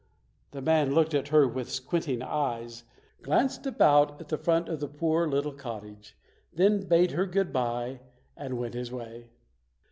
The man looked at her with squinting eyes, glanced about at the front of the poor little cot tage, then bade her good day and went his way.